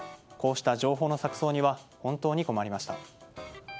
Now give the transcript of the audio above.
こうした情報の錯綜には本当に困りました。